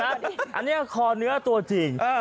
อันนี้คอเนื้อตัวจริง